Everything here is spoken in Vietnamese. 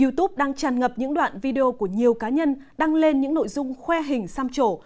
youtube đang tràn ngập những đoạn video của nhiều cá nhân đăng lên những nội dung khoe hình xăm trổ